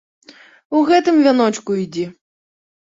У гэтым вяночку ідзі!